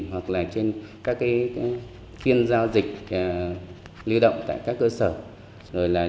hoặc là trên các phiên giao dịch lưu động tại các cơ sở rồi là trên website của đơn vị